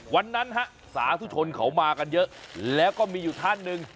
วันนั้นฮะสาธุชนเขามากันเยอะแล้วก็มีอยู่ท่านหนึ่ง